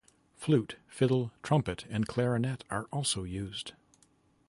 Flute, fiddle, trumpet and clarinet are also used.